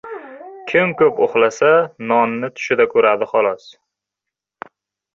• Kim ko‘p uxlasa nonni tushida ko‘radi xolos.